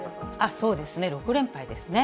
そうですね、６連敗ですね。